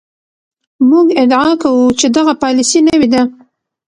موږ ادعا کوو چې دغه پالیسي نوې ده.